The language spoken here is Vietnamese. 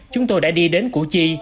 chúng tôi đã đi đến củ chi